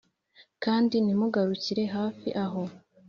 Kandi ntimugarukire hafi aho